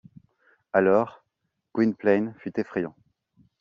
Alors Gwynplaine fut effrayant.